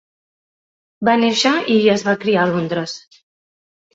Va néixer i es va criar a Londres.